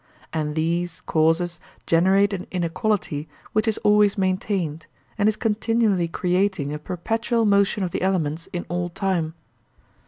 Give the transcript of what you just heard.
And these causes generate an inequality which is always maintained, and is continually creating a perpetual motion of the elements in all time.